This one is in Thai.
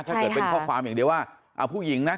ถ้าเกิดเป็นข้อความอย่างเดียวว่า